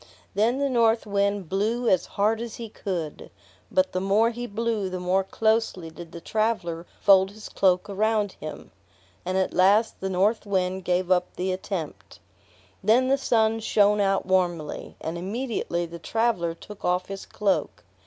Then the North Wind blew as hard as he could, but the more he blew the more closely did the traveler fold his cloak around him; and at last the North Wind gave up the attempt. Then the Sun shined out warmly, and immediately the traveler took off his cloak.